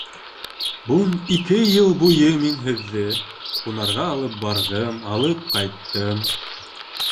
Ун ике йыл буйы мин һеҙҙе һунарға алып барҙым, алып ҡайттым.